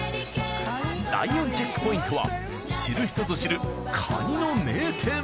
第４チェックポイントは知る人ぞ知るカニの名店。